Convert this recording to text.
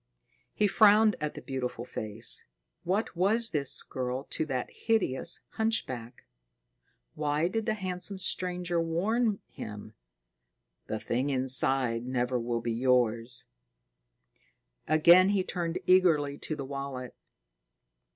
He frowned at the beautiful face. What was this girl to that hideous hunchback? Why did the handsome stranger warn him, "The thing inside never will be yours?" Again he turned eagerly to the wallet.